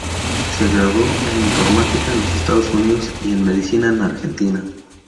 Se graduó en Informática en los Estados Unidos y en Medicina en Argentina.